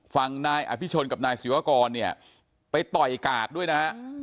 ฝั่งนายอภิชนกับนายศิวากรเนี่ยไปต่อยกาดด้วยนะฮะ